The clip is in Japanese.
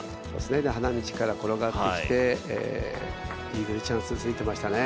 花道から転がってきてイーグルチャンスについてましたね。